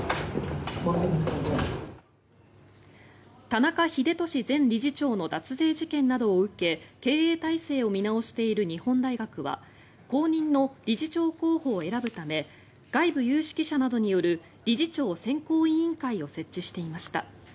田中英寿前理事長の脱税事件などを受け経営体制を見直している日本大学は後任の理事長候補を選ぶため外部有識者などによる理事長選考委員会を設置していました。